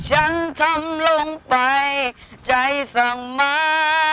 ฉันทำลงไปใจสั่งมา